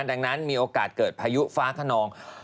ดังนั้นมีโอกาสเกิดพายุฟ้าขนอง